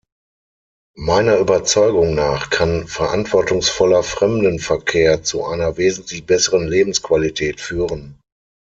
Meiner Überzeugung nach kann verantwortungsvoller Fremdenverkehr zu einer wesentlich besseren Lebensqualität führen.